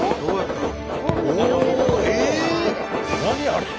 あれ。